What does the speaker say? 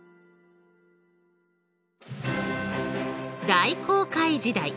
大航海時代。